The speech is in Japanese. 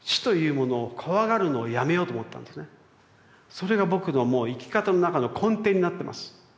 それが僕のもう生き方の中の根底になってます。